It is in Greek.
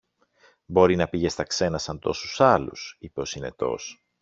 Μπορεί να πήγε στα ξένα σαν τόσους άλλους, είπε ο Συνετός.